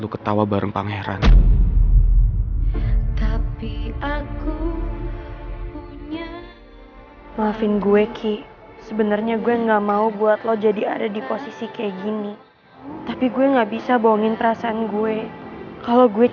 karena gue adalah sahabat lo